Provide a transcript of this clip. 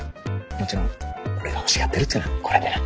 もちろん俺が欲しがってるってのはこれでな。